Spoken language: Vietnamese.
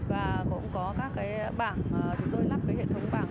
và cũng có các cái bảng mà chúng tôi lắp cái hệ thống bảng